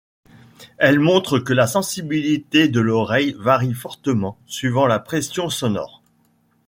Elles montrent que la sensibilité de l'oreille varie fortement suivant la pression sonore.